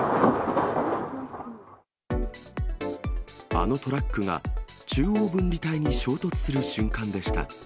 あのトラックが、中央分離帯に衝突する瞬間でした。